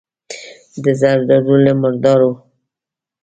د زردارو، له مردارو.